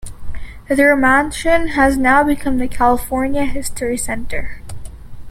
Their mansion has now become the California History Center.